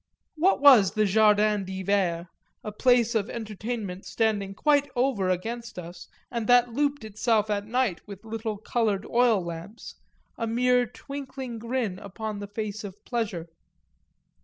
What was the Jardin d'Hiver, a place of entertainment standing quite over against us and that looped itself at night with little coloured oil lamps, a mere twinkling grin upon the face of pleasure?